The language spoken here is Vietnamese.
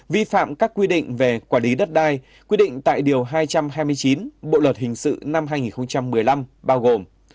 vi phạm các quy định về quản lý đất đai quy định tại điều hai trăm hai mươi chín bộ luật hình sự năm hai nghìn một mươi năm bao gồm